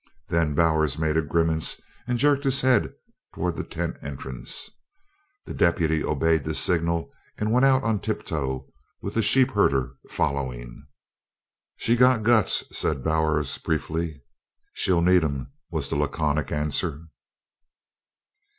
Then Bowers made a grimace and jerked his head towards the tent entrance. The deputy obeyed the signal and went out on tip toe with the sheepherder following. "She's got guts," said Bowers briefly. "She'll need 'em," was the laconic answer.